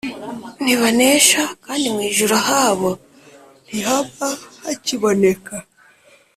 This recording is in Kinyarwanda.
Ntibanesha kandi mu ijuru ahabo ntihaba hakiboneka.